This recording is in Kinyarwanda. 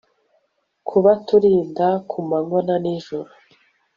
kubaturinda ku manywa na nijoro